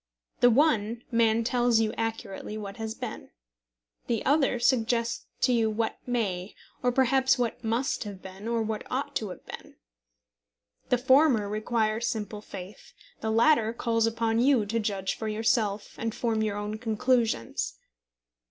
The one man tells you accurately what has been. The other suggests to you what may, or perhaps what must have been, or what ought to have been. The former requires simple faith. The latter calls upon you to judge for yourself, and form your own conclusions.